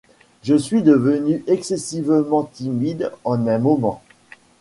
Je suis devenue excessivement timide en un moment.